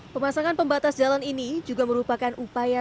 pemasangan pembatas jalan ini juga merupakan upaya